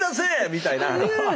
みたいな。